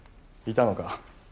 いたのか。